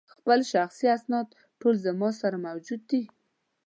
خپل شخصي اسناد ټول زما سره موجود دي.